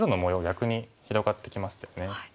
逆に広がってきましたよね。